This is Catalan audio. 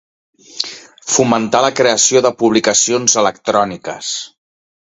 Fomentar la creació de publicacions electròniques.